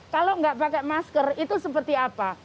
kalau nggak pakai masker itu seperti apa